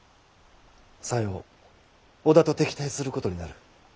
さよう織田と敵対することになる。